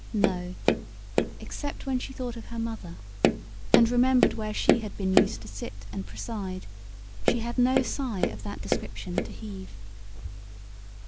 No, except when she thought of her mother, and remembered where she had been used to sit and preside, she had no sigh of that description to heave.